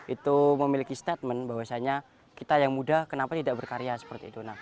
itu memiliki statement bahwasannya kita yang muda kenapa tidak berkarya seperti itu